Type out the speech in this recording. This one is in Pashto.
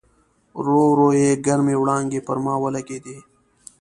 ورو ورو یې ګرمې وړانګې پر ما ولګېدې.